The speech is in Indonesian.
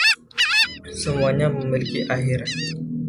Semuanya memiliki akhir.